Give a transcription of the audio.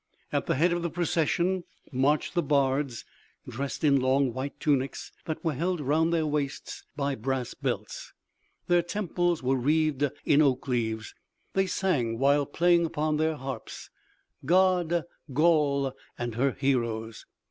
At the head of the procession marched the bards, dressed in long white tunics that were held around their waists by brass belts; their temples were wreathed in oak leaves; they sang while playing upon their harps: "God, Gaul and her heroes."